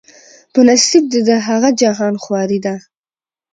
په نصیب دي د هغه جهان خواري ده